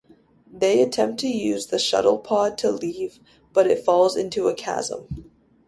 They attempt to use the shuttlepod to leave, but it falls into a chasm.